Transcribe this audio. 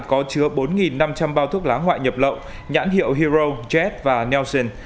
có chứa bốn năm trăm linh bao thuốc lá ngoại nhập lậu nhãn hiệu hero jet và nelson